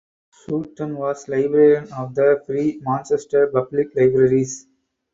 Sutton was librarian of the Free Manchester Public Libraries.